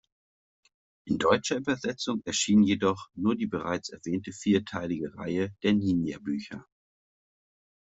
In deutscher Übersetzung erschienen jedoch nur die bereits erwähnte vierteilige Reihe der Ninja-Bücher.